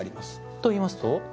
といいますと？